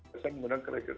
biasanya menggunakan kereta